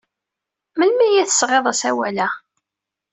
Melmi ay d-tesɣid asawal-a?